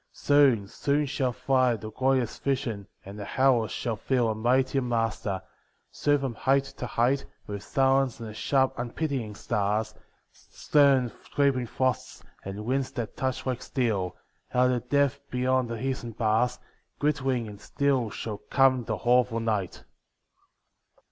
Soon, soon shall fly The glorious vision, and the hours shall feel A mightier master; soon from height to height, With silence and the sharp unpitying stars, Stern creeping frosts, and winds that touch like steel, Out of the depth beyond the eastern bars, Glittering and still shall come the awful night.